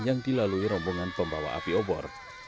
yang dilalui rombongan pembawa api obor